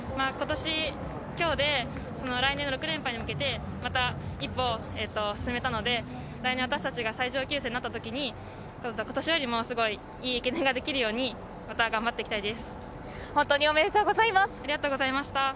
今日で来年の６連覇に向けてまた一歩進んだので、来年、私たちが最上級生になったときに、今年よりも良い駅伝ができるように頑張っていきたいです。